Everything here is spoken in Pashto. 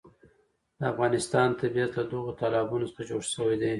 د افغانستان طبیعت له دغو تالابونو څخه جوړ شوی دی.